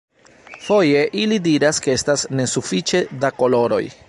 Foje, ili diras ke estas nesufiĉe da koloroj.